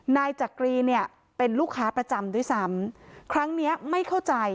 นายจักรีเนี่ยเป็นลูกค้าประจำด้วยซ้ำครั้งเนี้ยไม่เข้าใจ